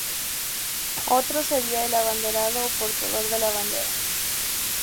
Otro sería el abanderado, o portador de la bandera.